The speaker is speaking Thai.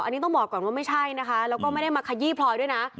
อันนี้ต้องบอกก่อนว่าไม่ใช่นะคะแล้วก็ไม่ได้มาขยี้พลอยด้วยนะ